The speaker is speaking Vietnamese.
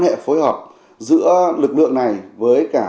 hệ phối hợp giữa lực lượng này với cả